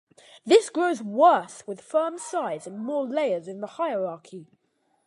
This grows worse with firm size and more layers in the hierarchy.